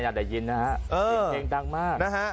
ไม่ได้ยินนะฮะสีเสียงดังมาก